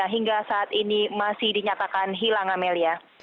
hingga saat ini masih dinyatakan hilang amelia